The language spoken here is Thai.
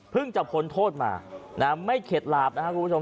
จะพ้นโทษมาไม่เข็ดหลาบนะครับคุณผู้ชม